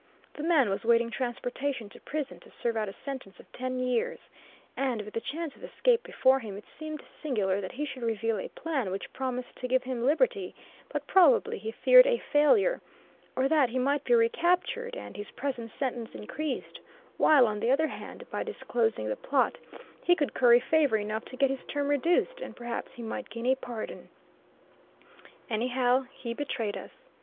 The man was waiting transportation to prison to serve out a sentence of ten years, and, with the chance of escape before him, it seemed singular that he should reveal a plan which promised to give him liberty; but probably he feared a failure; or that he might be recaptured and his prison sentence increased; while on the other hand by disclosing the plot he could curry favor enough to get his term reduced, and perhaps he might gain a pardon. Any how, he betrayed us.